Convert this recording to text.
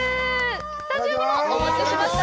スタジオにもお持ちしました。